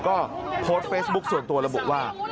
ก็โพสต์เฟซบุ๊คส่วนตัวระบุว่า